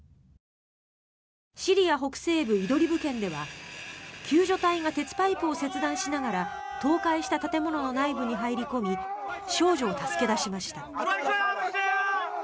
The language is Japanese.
シリア北西部イドリブ県では救助隊が鉄パイプを切断しながら倒壊した建物の内部に入り込み少女を助け出しました。